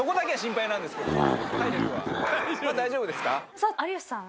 さあ有吉さん